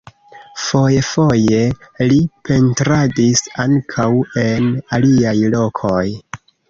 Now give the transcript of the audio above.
Foje-foje li pentradis ankaŭ en aliaj lokoj.